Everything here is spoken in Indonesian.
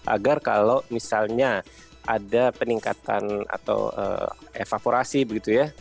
agar kalau misalnya ada peningkatan atau evaporasi begitu ya